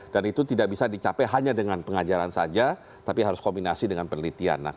dan itu tidak bisa dicapai hanya dengan pengajaran saja tapi harus kombinasi dengan penelitian